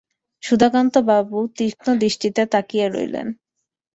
সুধাকান্তবাবু তীক্ষ্ণ দৃষ্টিতে তাকিয়ে রইলেন।